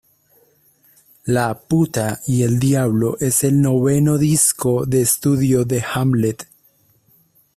La puta y el diablo es el noveno disco de estudio de Hamlet.